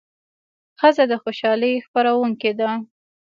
ښځه د خوشالۍ خپروونکې ده.